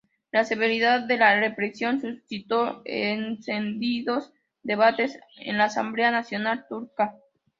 La severidad de la represión suscitó encendidos debates en la Asamblea Nacional turca.